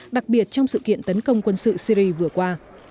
đặc biệt trong sự kiện tấn công quân sự syri vừa qua